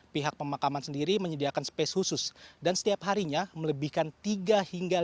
pihak pemakaman sendiri menyediakan space khusus dan setiap harinya melebihkan tiga hingga